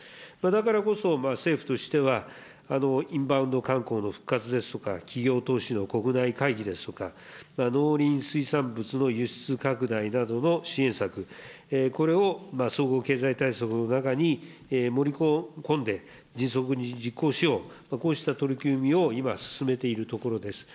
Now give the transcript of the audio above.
だからこそ、政府としてはインバウンド観光の復活ですとか、企業投資の国内回帰ですとか、農林水産物の輸出拡大などの支援策、これを総合経済対策の中に盛り込んで、迅速に実行しよう、こうした取り組みを今、進めているところです。